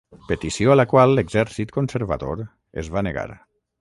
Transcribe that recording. Petició a la qual l'exèrcit conservador es va negar.